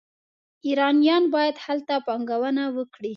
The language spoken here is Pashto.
ایرانیان باید هلته پانګونه وکړي.